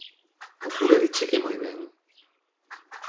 O cura diche que moi ben.